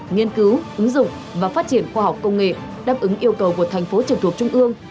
nghiên cứu ứng dụng và phát triển khoa học công nghệ đáp ứng yêu cầu của thành phố trực thuộc trung ương